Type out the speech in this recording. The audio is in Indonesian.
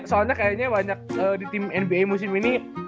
soalnya kayaknya banyak di tim nba musim ini